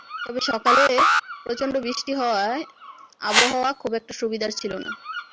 তবে সকালে প্রচণ্ড বৃষ্টি হওয়ায় আবহাওয়া খুব একটা সুবিধার ছিল না।